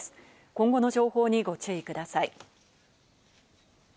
今後の情報にご注意ください。